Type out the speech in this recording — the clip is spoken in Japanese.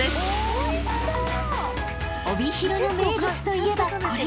［帯広の名物といえばこれ］